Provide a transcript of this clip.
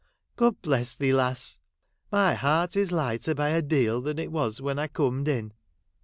God bless thee, lass. My heart is lighter by a deal than it was when I corned in.